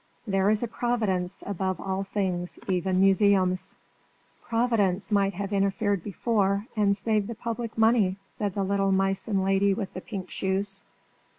There is a Providence above all things, even museums." "Providence might have interfered before, and saved the public money," said the little Meissen lady with the pink shoes.